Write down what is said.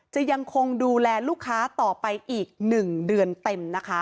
จะยังคงดูแลลูกค้าต่อไปอีก๑เดือนเต็มนะคะ